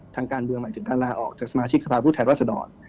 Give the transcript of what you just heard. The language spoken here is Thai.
ทางการเมืองหมายถึงการลาออกจากสมาชิกสภาพผู้แทนรัศดร